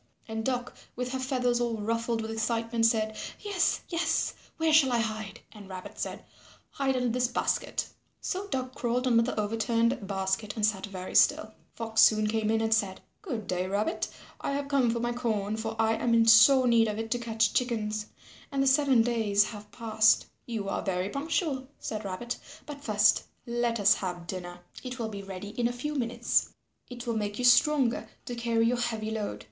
And Duck with her feathers all ruffled with excitement said, "Yes, yes, where shall I hide?" And Rabbit said, "Hide under this basket." So Duck crawled under the over turned basket and sat very still. [Illustration: SO DUCK CRAWLED UNDER THE OVER TURNED BASKET AND SAT VERY STILL] Fox soon came in and said, "Good day, Rabbit. I have come for my corn, for I am in sore need of it to catch chickens, and the seven days have passed." "You are very punctual," said Rabbit, "but first let us have dinner. It will be ready in a few minutes. It will make you stronger to carry your heavy load."